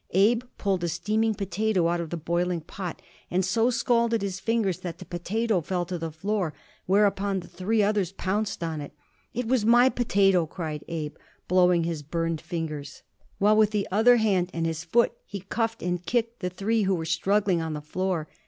Abe pulled a steaming potato out of the boiling pot, and so scalded his fingers that the potato fell to the floor; whereupon the three others pounced on it. "It was my potato," cried Abe, blowing his burned fingers, while with the other hand and his foot he cuffed and kicked the three who were struggling on the floor.